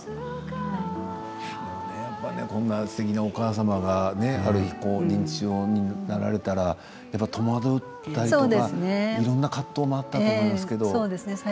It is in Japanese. こんなすてきなお母様がある日、認知症になられたら戸惑ったりとかいろいろな葛藤もあったと思うんですけれども。